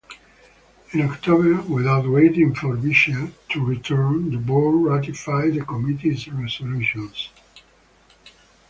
In October, without waiting for Beecher to return, the board ratified the committee's resolutions.